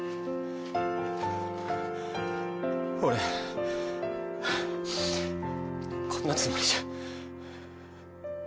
俺こんなつもりじゃ